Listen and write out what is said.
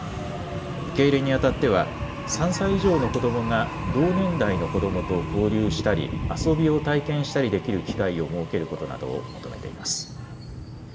受け入れにあたっては３歳以上の子どもが同年代の子どもと交流したり遊びを体験したりできる機会を設けることなどを求めています。